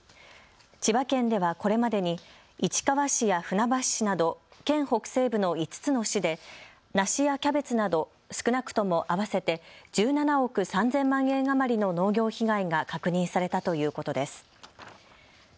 千葉県では、これまでに市川市や船橋市など県北西部の５つの市で梨やキャベツなど少なくとも合わせて１７億３０００万円余りの農業被害が確認されたということです。